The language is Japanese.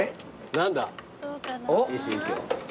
何だ？